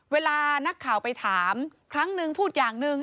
เวลานักข่าวไปถามครั้งหนึ่งพูดอย่างหนึ่ง